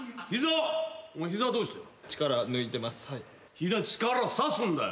膝力さすんだよ。